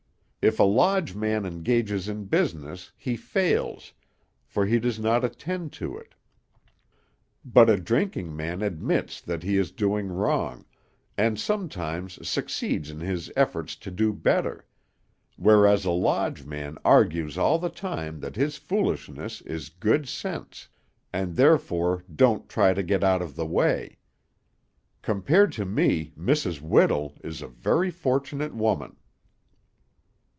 If a lodge man engages in business, he fails, for he does not attend to it; but a drinking man admits that he is doing wrong, and sometimes succeeds in his efforts to do better; whereas a lodge man argues all the time that his foolishness is good sense, and therefore don't try to get out of the way. Compared to me, Mrs. Whittle is a very fortunate woman."